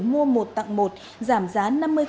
mua một tặng một giảm giá năm mươi